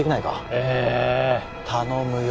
ええー頼むよ